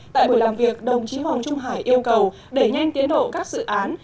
tại buổi làm việc đồng chí hoàng trung hải yêu cầu đẩy nhanh tiến độ các dự án